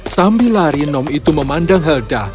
sambil lari nom itu memandang helda